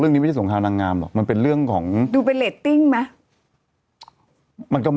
เรื่องนี้ไม่ได้สงครามนางงามหรอกมันเป็นเรื่องของดูเป็น